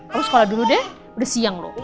kamu sekolah dulu deh udah siang loh